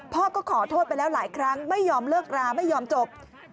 พ่อก็ขอโทษไปแล้วหลายครั้งไม่ยอมเลิกราไม่ยอมจบ